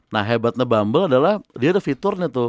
nah hebatnya bumble adalah dia ada fiturnya tuh